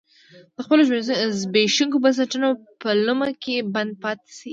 د خپلو زبېښونکو بنسټونو په لومه کې بند پاتې شي.